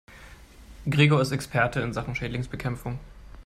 Gregor ist Experte in Sachen Schädlingsbekämpfung.